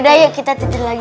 kita tidur deh kita tidur deh